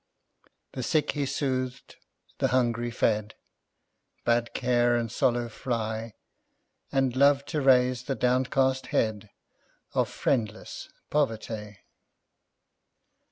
The sick he sooth'd, the hungry fed, Bade care and sorrow fly, And loved to raise the downcast head Of friendless poverty.